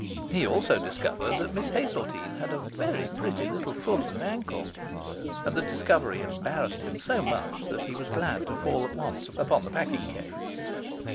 He also discovered that Miss Hazeltine had a very pretty little foot and ankle; and the discovery embarrassed him so much that he was glad to fall at once upon the packing case.